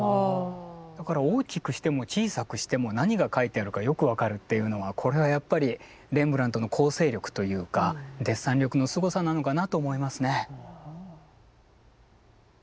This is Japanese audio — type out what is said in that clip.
だから大きくしても小さくしても何が描いてあるかよく分かるっていうのはこれはやっぱりレンブラントの構成力というかデッサン力のすごさなのかなと思いますね。